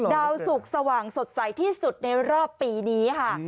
ดาวสุขสว่างสดใสที่สุดในรอบปีนี้ค่ะ